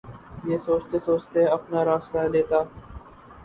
یہ سوچتے سوچتے اپنا راستہ لیتا